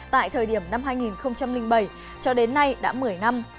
tại thời điểm năm hai nghìn bảy cho đến nay đã một mươi năm